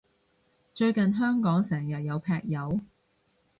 最近香港成日有劈友？